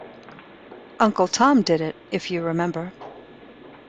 Uncle Tom did it, if you remember.